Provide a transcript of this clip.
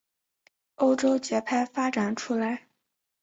欧洲节拍发展出来。